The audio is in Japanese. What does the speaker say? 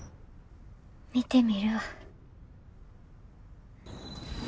見てみるわ。